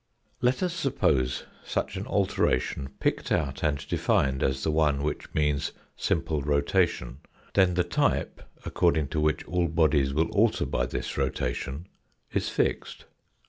Let us suppose such an alteration picked out and defined as the one which means simple rotation, then the type, according to which all bodies will alter by this rotation, is fixed.